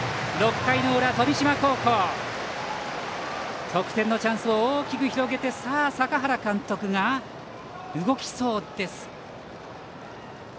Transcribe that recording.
６回の裏、富島高校得点のチャンスを大きく広げて坂原監督が動きそうです。